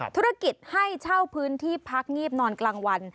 ธุรกิจให้เช่าพื้นที่พักงีบนอนกลางวัน